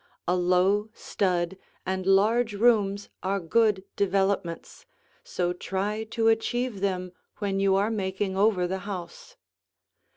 A low stud and large rooms are good developments, so try to achieve them when you are making over the house.